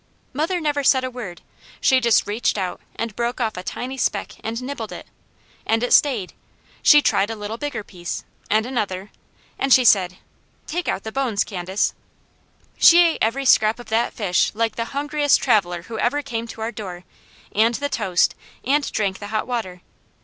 Mother never said a word; she just reached out and broke off a tiny speck and nibbled it, and it stayed; she tried a little bigger piece, and another, and she said: "Take out the bones, Candace!" She ate every scrap of that fish like the hungriest traveller who ever came to our door, and the toast, and drank the hot water.